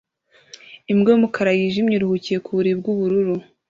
Imbwa y'umukara n'iyijimye iruhukiye ku buriri bw'ubururu